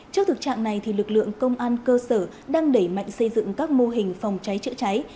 trước thực trạng này lực lượng công an cơ sở đang đẩy mạnh xây dựng các mô hình phòng cháy chữa cháy